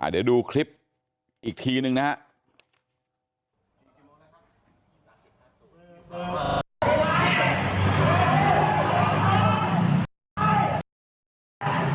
อ่าเดี๋ยวดูคลิปอีกทีหนึ่งนะฮะ